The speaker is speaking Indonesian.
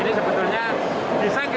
ini sebetulnya bisa kita manjurkan